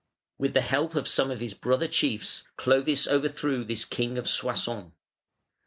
With the help of some of his brother chiefs, Clovis overthrew this "King of Soissons".